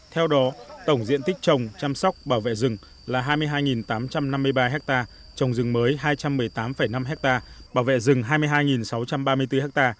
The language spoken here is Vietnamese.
theo đó tổng diện tích trồng chăm sóc bảo vệ rừng là hai mươi hai tám trăm năm mươi ba ha trồng rừng mới hai trăm một mươi tám năm ha bảo vệ rừng hai mươi hai sáu trăm ba mươi bốn ha